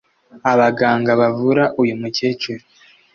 abaganga bavuraga uyu mukecuru